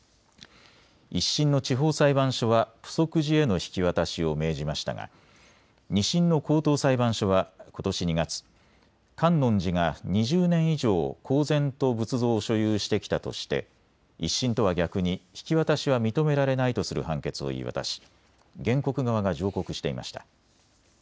１審の地方裁判所はプソク寺への引き渡しを命じましたが２審の高等裁判所はことし２月、観音寺が２０年以上、公然と仏像を所有してきたとして１審とは逆に引き渡しは認められないとする判決を言い渡し原告側が上告していました。